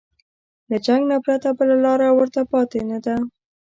له جنګ نه پرته بله لاره ورته پاتې نه ده.